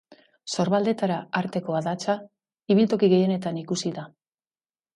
Sorbaldetara arteko adatsa ibiltoki gehienetan ikusi da.